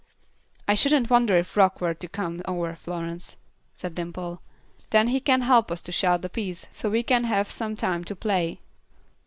"I shouldn't wonder if Rock were to come over, Florence," said Dimple; "then he can help us to shell the peas, so we can have some time to play.